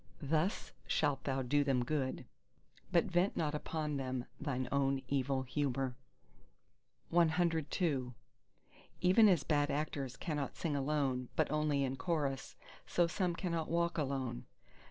Thus shalt thou do them good: but vent not upon them thine own evil humour! CIII Even as bad actors cannot sing alone, but only in chorus: so some cannot walk alone.